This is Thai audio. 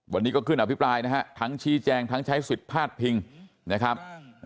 วันนี้ก็ขึ้นอภิปรายนะฮะทั้งชี้แจงทั้งใช้สิทธิ์พาดพิงนะครับ